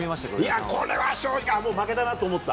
いや、これは正直、もう負けたなと思った。